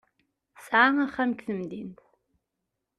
Tesɛa axxam deg temdint.